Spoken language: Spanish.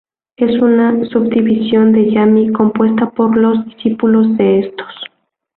Es una subdivisión de Yami, compuesta por los discípulos de estos.